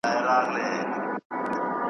ځان به خلاص کړو له دریم شریک ناولي .